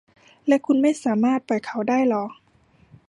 และคุณไม่สามารถปล่อยเขาได้หรอ